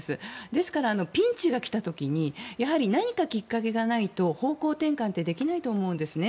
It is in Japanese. ですから、ピンチが来た時に何かきっかけがないと方向転換ってできないと思うんですね。